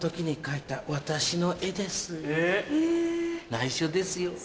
内緒ですよ。